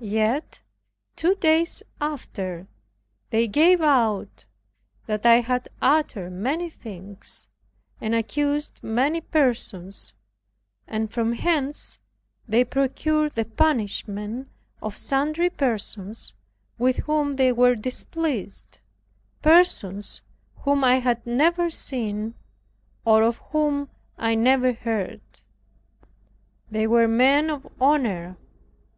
Yet, two days after they gave out that I had uttered many things, and accused many persons; and from hence they procured the banishment of sundry persons with whom they were displeased, persons whom I had never seen or of whom I never heard. They were men of honor.